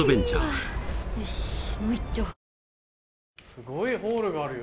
すごいホールがあるよ。